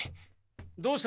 どうした？